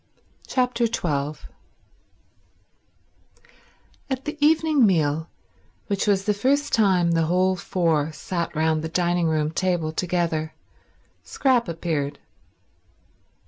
Chapter 12 At the evening meal, which was the first time the whole four sat round the dining room table together, Scrap appeared.